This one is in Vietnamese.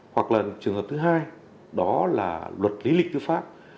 hoặc là trường hợp thứ hai đó là luật lý lịch tư pháp